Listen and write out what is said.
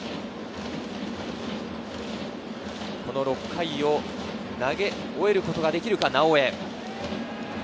６回を投げ終えることができるか直江。